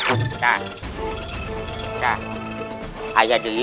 bukan saya jurali